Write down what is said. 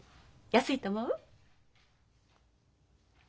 安いと思う？